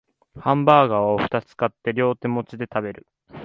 ハンバーガーをふたつ買って両手持ちで食べる